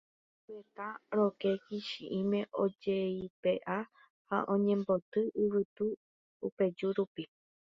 ovetã rokẽ kichi'ĩme ojeipe'a ha oñemboty yvytu oipeju rupi